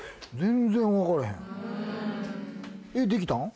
えっできたん？